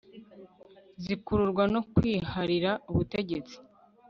zikururwa no kwiharira ubutegetsi